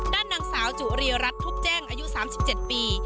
ด้านนางสาวจุรีรัฐทุบแจ้งอายุ๓๗ปี